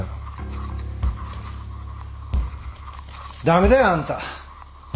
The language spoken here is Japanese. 駄目だよあんた。